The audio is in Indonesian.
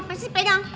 ngapain sih pegang